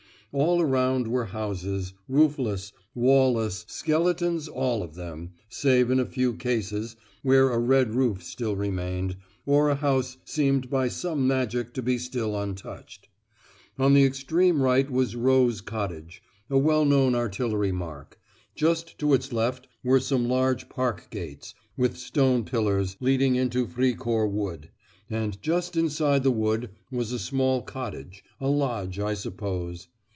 All around were houses; roofless, wall less skeletons all of them, save in a few cases, where a red roof still remained, or a house seemed by some magic to be still untouched. On the extreme right was Rose Cottage, a well known artillery mark; just to its left were some large park gates, with stone pillars, leading into Fricourt Wood; and just inside the wood was a small cottage a lodge, I suppose.